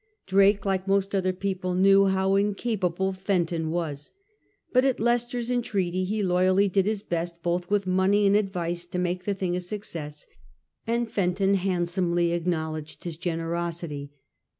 Drake, like most other people, knew how incapable Fenton was; but at Leicester's entreaty he loyally did his best both with money and advice to make the thing a success, and Fenton handsomely acknowledged his generosity.